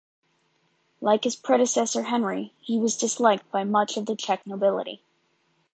Like his predecessor Henry, he was disliked by much of the Czech nobility.